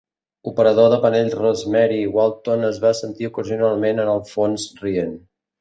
Operador de panells Rosemary Walton es va sentir ocasionalment en el fons rient.